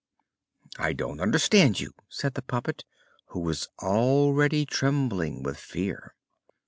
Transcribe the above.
"I don't understand you," said the puppet, who was already trembling with fear.